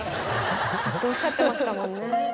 ずっとおっしゃってましたもんね。